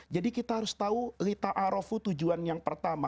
jadi kita harus tahu lita'arufu tujuan yang pertama